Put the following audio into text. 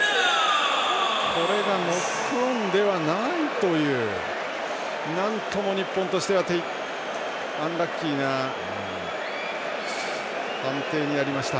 ノックオンではないというなんとも、日本としてはアンラッキーな判定になりました。